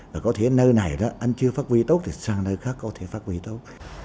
và có thể nơi này đó anh chưa phát huy tốt thì sang nơi khác có thể phát huy tốt